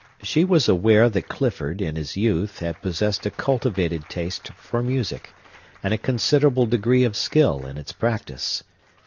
She was aware that Clifford, in his youth, had possessed a cultivated taste for music, and a considerable degree of skill in its practice.